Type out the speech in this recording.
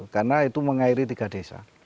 karena itu mengairi tiga desa